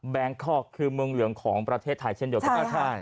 แบงค์คอร์กคือเมืองหลวงของประเทศไทยเช่นเดียวกัน